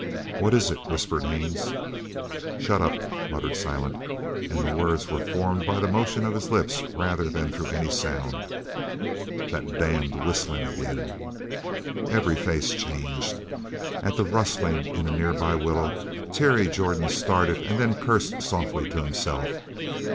"What is it?" whispered Haines. "Shut up," muttered Silent, and the words were formed by the motion of his lips rather than through any sound. "That damned whistling again." Every face changed. At a rustling in a near by willow, Terry Jordan started and then cursed softly to himself.